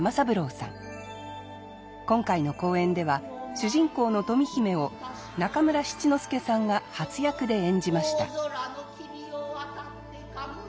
今回の公演では主人公の富姫を中村七之助さんが初役で演じました。